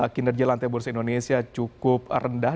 kinerja lantai bursa indonesia cukup rendah